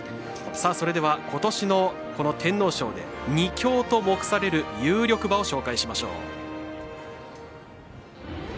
それでは、ことしの天皇賞で２強と目される有力馬をご紹介しましょう。